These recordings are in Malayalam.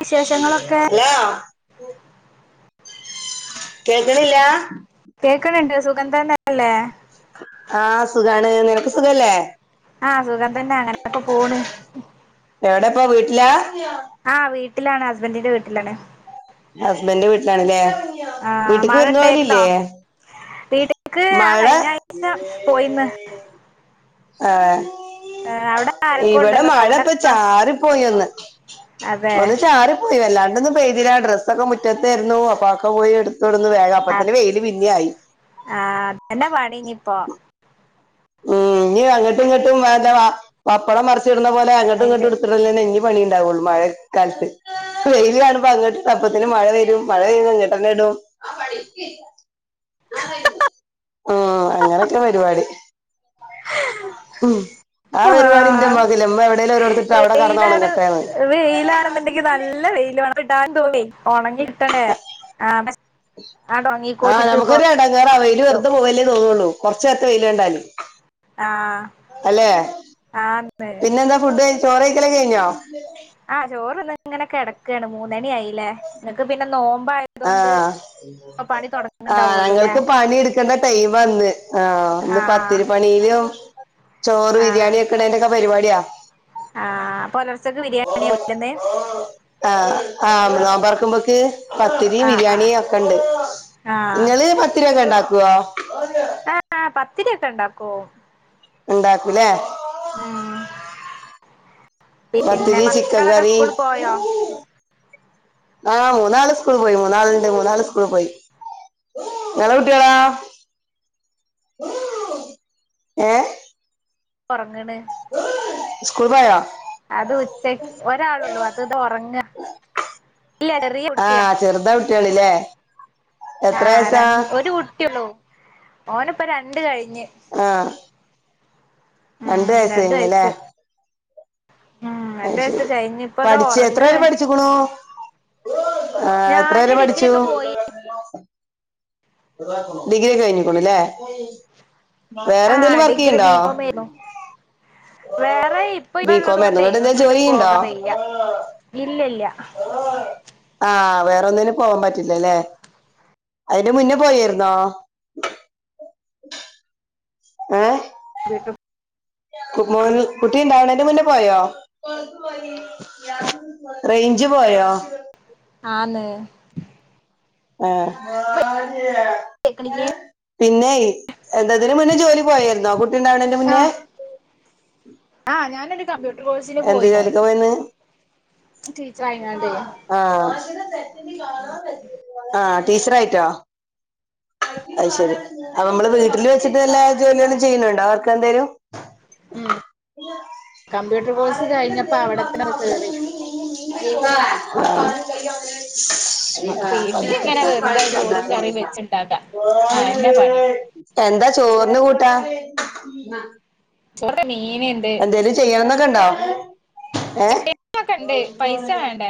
വിശേഷങ്ങളൊക്കെ ഹലോ കേൾക്കണില്ലാ കേക്കണണ്ട് സുഖം തന്നെയല്ലെ ആഹ് സുഖാണ് നിനക്ക് സുഖല്ലേ ആഹ് സുഖം തന്നെ അങ്ങനൊക്കെ പോണ് ഇപ്പോ വീട്ടിലാ ആഹ് വീട്ടിലാണ് ഹസ്ബൻ്റിന്റെ വീട്ടിലാണ് ഹസ്ബൻ്റിന്റെ വീട്ടിലാണല്ലേ ആഹ് വീട്ട്ക്ക് വിരുന്ന് പോവലില്ലേ വീട്ട്ക്ക് ആ കഴിഞ്ഞ ആഴ്ച്ച പോയിന്ന് ആഹ് അവിടെ ആരൊക്കെ ഇവിടെ ഉണ്ടല്ലോ മഴ ഇപ്പൊ സൗണ്ടൊക്കെ ചാറിപ്പോയി ഒന്ന് അതെ ഒന്ന് ചാറി പോയി വല്ലാണ്ടൊന്നും പെയ്തില്ല ഡ്രസ്സൊക്കെ മുറ്റത്തായിരുന്നു അപ്പൊ ആക്കൊ പോയി എടുത് ത്തോണ്ടന്ന് വേഗം അപ്പൊ ആഹ് തന്നെ വെയില് പിന്നെ ആയി അതന്നെ [unintelligible] മ്മ് ഇനി അങ്ങട്ടും ഇങ്ങട്ടും വെറുതെ പപ്പടം മറിച്ചിടുന്ന പോലെ അങ്ങട്ടും ഇങ്ങട്ടും വെയില് എടുത്തിടലെന്നെ ഇനി പണി ഉണ്ടാവുള്ളൂ മഴ കാലത്ത് വെയില് കാണുമ്പോൾ അങ്ങട് ഇടും അപ്പത്തേന്ന് മഴ വരും മഴ പെയ്യുമ്പോൾ ഇങ്ങട്ടന്നെ ഇടും മ്മ് അങ്ങനൊക്കെ പരിപാടി ഉം ആ പരിപാടിന്റെ ആഹ് ഉമ്മാക്കില്ല ഉമ്മ എവിടെലും ഓരുടത്തിട്ട അവിടെ വെയിലാണ് കെടന്നൊണങ്ങട്ടേന്ന് വെയിലാണെന്നുണ്ടെങ്കി [unintelligible] ഉണങ്ങി കിട്ടണ്ടേ ആഹ് പക്ഷേ ആഹ് നമുക്കൊരു ഇടങ്ങാറാ വെയില് പൊറത്തിടും വെറുതെ പോകലേ തോന്നുള്ളൂ കുറച്ച് നേരത്തെ വെയില് കണ്ടാല് ആഹ് അല്ലെ ആന്ന് പിന്നെ എന്താ ഫുഡ് കഴിക്കല് ചോറ്ക്കഴിക്കല് ഒക്കെ കഴിഞ്ഞോ ആഹ് ചോറ് തിന്ന് ഇങ്ങനെ കെടക്കയാണ് മൂന്നണി ആയില്ലേ നിങ്ങക്ക് പിന്നെ നോമ്പ ആഹ് ആഹ് തുടങ്ങണ്ടാവുള്ളൂല്ലേ ഞങ്ങൾക്ക് പണി എടുക്കണ്ട ടൈം ആന്ന് ആഹ് ഇന്ന് ആഹ് പത്തിരി പണിയിലും ചോറ് ആഹ് ബിരിയാണി വെക്കണന്റെക്കെ പരിപാടിയാ ആഹ് പൊലർച്ചയ്ക്ക് ബിരിയാണിയ വെക്കുന്നെ ആഹ് ആഹ് നോബൊർക്കുമ്പോക്ക് പത്തിരിയും ആഹ് ആഹ് ബിരിയാണിയ ഒക്കെ ഇണ്ട് ആഹ് നിങ്ങള് പത്തി രൂപൊക്കെ ഉണ്ടാക്കുവോ ആഹ പത്തിനൊക്കെ ഇണ്ടാക്കോ ഉണ്ടാക്കൂലേ പിന്നെ പത്തിരി ചിക്കൻ മക്കളൊക്കെ കറി സ്കൂള് പോയോ ആഹ മൂന്നാല് സ്കൂൾ പോയി മൂന്നാൽണ്ട് മൂന്നാല് സ്കൂൾ പോയി ങ്ങള കുട്ടികളാ ഏ കൊറങ്ങണ് സ്കൂൾ പോയോ അത് ഉച്ചക്ക് ഒരാളള്ളു അത് ഇത് ഉറങ്ങാ ആഹ് ചെറുത കുട്ടികളില്ലേ എത്ര ആഹ ര വയസാ ഒരു കുട്ടിയള്ളൂ ഓന ഇപ്പോ രണ്ട കഴി ആഹ ഉം രണ്ട വയസ രണ്ട് കഴഞ്ഞല്ലേ വയസ്സ് ഉം എന്റെസ് കഴഞ്ഞ ഇപ്പതാ പഠിച്ച് എത്ര ഉറങ്ങണ വരെ പഠിച്ചിക്കുണു ആ എത്ര പേരെ ഡിഗ്രി പഠിച്ചു ഒക്കെ പോയി ഡിഗ്രിയ കഴിഞ്ഞിക്ക്ണുലെ വേറെന്തേിലും ആഹ് വർക്ക് ഡിഗ്രി ചെയ്യണ്ടോ ബികോം ആയിരുന്നു വേറെ ഇപ്പ ഇപ്പ ഉള്ളത ബികോം ആയിരുന്നു കൊണ്ടേ ഇങ്ങട്ട് എന്തേലും ഒന്നിനും ജോലി പോകാൻ വയ്യ ഇല്ല ആഹ വേറൊന്നിനും പോവാൻ പറ്റില്ലല്ലേ അതിന്റെ മുന്നേ പോയിരുന്നോ അം ഏ മോൻ കുട്ടിന്താണ് മുന്ന പോയോ റേഞ്ച് പോയോ ആല് ആഹ കേക്ക്ണില്ലേ പിന്നെ എന്തതിന് മുന്നേ ജോലി പോയരുന്നോ കുട്ടി ഉണ്ടാവണ എന്റെ മുന്നേ ആഹ് ആഹ് ഞാനൊരു കമ്പ്യൂട്ടർ കോഴ്സിന് എന്ത് പോയിനു ജോലിക്കാ പോയിന്ന് ടീച്ചറായിങ്ങാണ്ടേ ആഹ ആഹ ടീച്ചറയിട്ടോ അ ശരി അപ്പ നമ്മള് വീട്ടില് വെച്ചിട്ട് എല്ലാ ജോലികളും ചെയ്യുന്നുണ്ടോ അവർക്ക് എന്തായരും ഉം കമ്പ്യൂട്ടർ കോഴ്സ് ആരെങ്കിലും കഴിഞ്ഞപ്പോ എന്തിലും പറഞ്ഞ അവിടെത്തന്നെ കേറി അവീ വീട്ടിലിങ്ങനെ വെറുതെ ചോറും കറിയും ക വെച്ചുണ്ടാക്കാം അതെന്നെ പണി എന്താ ചോറ് എന്ന കൂട്ടാ ചോറ് മീന്ണ്ട് എന്തേലും ചെയ്യണംന്നൊക്കെണ്ടോ ഏ ഒക്കെ ഇണ്ട് പൈസ വേണ്ടേ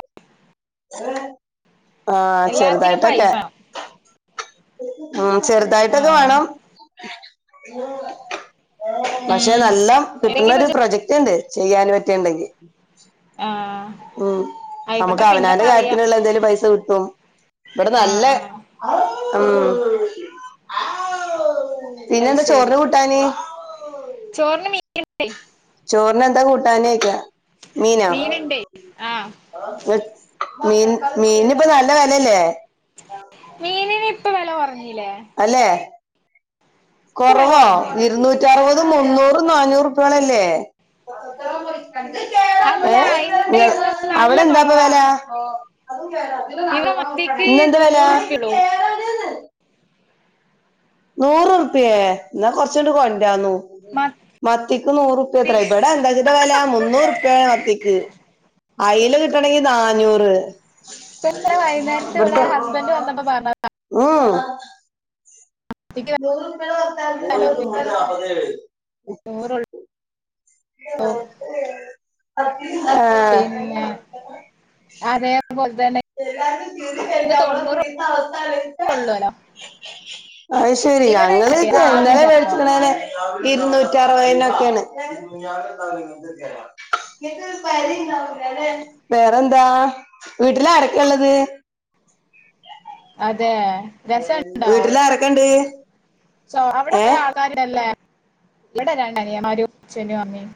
ആഹ എല്ലാത്തിനും പൈസ ചെറുതായിട്ടൊക്കെ വേണം. ഉ ചെറുതായിട്ടൊക്കെ ആഹ് വേണം പക്ഷെ ഉം നല്ലം ഇല്ലെങ്കി കിട്ടുന്ന ഇപ്പ ഒരു ജ് പ്രൊജക്റ്റ് ഉണ്ട് ചെയ്യാനും പറ്റിണ്ടെങ്കിൽ ആഹ് ഉ നമുക്ക് ആയിക്കോട്ടെ പിന്നെ അവനാന്റെ പറയാം കാര്യത്തിനുള്ള എന്തേലും പൈസ കിട്ടും ഇവിടെ ആഹ് നല്ല ആഹ് ഉം അത് പിന്നെന്താ ശരി ചോറിന് കൂട്ടാന് കിട്ടി ചോറിന് എന്താ കൂട്ടാനക്ക മീനോ മീന്ണ്ടേ ആഹ് മീൻ മീൻ ഇപ്പോ നല്ല വിലല്ലേ മീനിന് ഇപ്പ വില കുറഞ്ഞ് അല്ലെ ഇപ്പ വെല കുറവോ കൊറഞ്ഞ് ഇരുന്നൂറ്അറുപത് അത് മുന്നൂറ് നന്നൂറ് ഉറുപ്പോളോ ഇല്ലേ അല്ല ഏഹ ഇന്നലെ നിങ്ങ ഇന്നും നല്ല അവിടെ എന്താപ്പ കൊറവാ വില അത ഇവിടെ കേള മത്തിക്ക് ഇന്ന് എന്താ വില നൂറുപ്യള്ളൂ നൂറ് ഉറുപ്യേ എന്നാ കൊറച്ചണ്ട് കൊണ്ടന്നു മത്തി മത്തിക്ക് നൂററുപ്യ എത്ര ഇടാ എന്താച്ചിന്റെ വില മുന്നൂറുപ്യാണ് മത്തിക്ക് അയില കിട്ടണെങ്കി നാന്നൂറ് ഇപ്പന്നലെ വൈന്നേരത്ത് [inaudible] ഇവിടെ ഹസ്ബൻഡ് വന്നപ്പോ പറഞ്ഞതാ ഉം മത്തിക്ക് നൂറുപ വത്ത [inaudible] വെല കൊറഞ്ഞ് നൂറിനാപത്തേഴ്‌ ഓഫ് അ പിന്നെ അതേപോലെ തന്നെ എല്ലാും ചീതി ക ഇന്ന് നമ്മള് കുടുന്ന അവസ്ഥല്ലപ്പ തൊണ്ണൂറൊള്ളൂലോ അ ശരി ഇവിടെ ഞങ്ങള് ഇ ആകും എന്താല ചെലപ്പോ മേടിച്ചിക്കണേനെ ഇരുന്നൂറ്റി അറുപതിനനൊക്കെയാണ് വേറെന്താ വീട്ടിലരൊക്കെയ ഉള്ളത് അതെ രസണ്ടോ വീട്ടില ആാരൊക്കെ ഇണ്ട് സോ അവിടെ കുറെ ആൾക്കാരല്ലേ ഇവിടെ രണ്ട് അനിയൻമാരും അച്ഛനും അമ്മയും